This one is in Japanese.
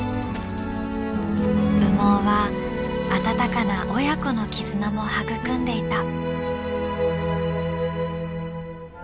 羽毛はあたたかな親子の絆も育んでいた。